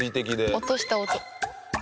落とした音。